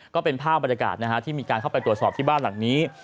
ก็เป็นภาพบรรยากาศที่มีการเข้าไปตรวจสอบที่บ้านหลังนี้